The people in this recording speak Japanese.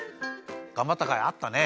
がんばったかいあったね。